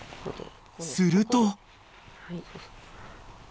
［すると］